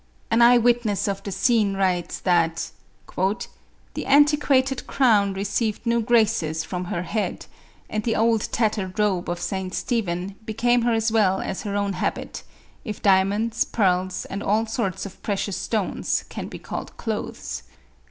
An eye witness of the scene writes that " the antiquated crown received new graces from her head, and the old tattered robe of St. Stephen became her as well as her own habit, if diamonds, pearls, and all sorts of precious stones can be called clothes."